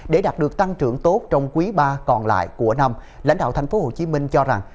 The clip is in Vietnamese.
để đạt được tăng trưởng tốt trong quý ba còn lại của năm lãnh đạo tp hcm cho rằng